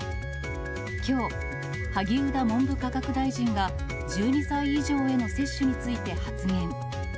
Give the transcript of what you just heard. きょう、萩生田文部科学大臣が１２歳以上への接種について発言。